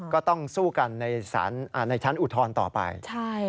ก็ต้องสู้กันในชั้นอุทธรณ์ต่อไป